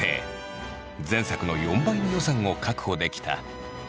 前作の４倍の予算を確保できた。